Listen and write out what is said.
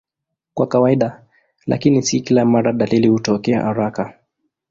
Kwa kawaida, lakini si kila mara, dalili hutokea haraka.